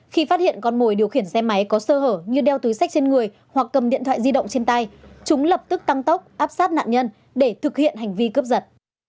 khi phát hiện con mồi điều khiển xe máy có sơ hở như đeo túi sách trên người hoặc cầm điện thoại di động trên tay chúng lập tức tăng tốc áp sát nạn nhân để thực hiện hành vi cướp giật